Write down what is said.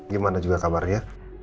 gimana juga kabarnya